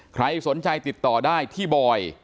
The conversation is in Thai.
ใครสนใจติดต่อได้ที่บอย